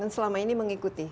dan selama ini mengikuti